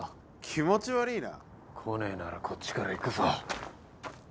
気持ち悪ぃな。来ねえならこっちから行くぞ。